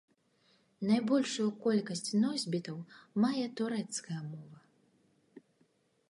Найбольшую колькасць носьбітаў мае турэцкая мова.